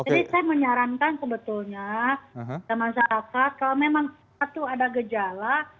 jadi saya menyarankan sebetulnya masyarakat kalau memang ada gejala